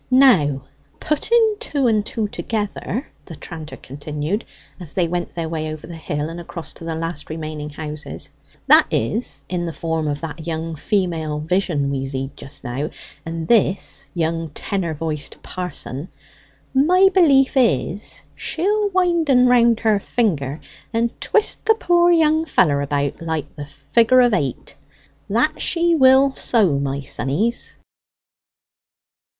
"Now putting two and two together," the tranter continued, as they went their way over the hill, and across to the last remaining houses; "that is, in the form of that young female vision we zeed just now, and this young tenor voiced parson, my belief is she'll wind en round her finger, and twist the pore young feller about like the figure of 8 that she will so, my sonnies."